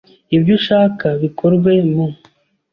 Ibyo ushaka bikorwe mu